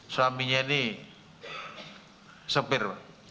suaminya ini sepir